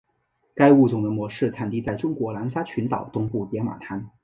该物种的模式产地在中国南沙群岛东部野马滩。